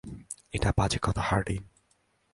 এটা বাজে কথা, হার্ডিন।